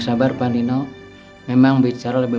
saya mau pergi ke sajadah